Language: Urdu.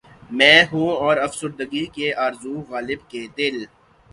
میں ہوں اور افسردگی کی آرزو غالبؔ کہ دل